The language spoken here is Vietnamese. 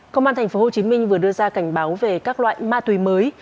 công an tp hcm vừa đưa ra cảnh báo về các loại ma túy mới